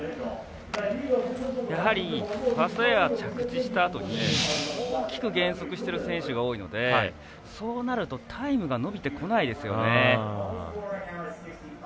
やはり、ファーストエアは着地したあとに大きく減速している選手が多いのでそうなるとタイムが伸びてこないですよね。